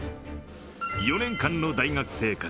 ４年間の大学生活。